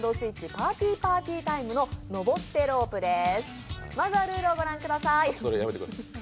「パーティーパーティータイム」の「登ってロープ」です。